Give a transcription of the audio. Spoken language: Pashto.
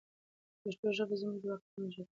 پښتو ژبه زموږ د واقعیتونو ژبه ده.